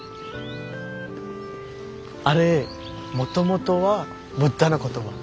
あれもともとはブッダの言葉。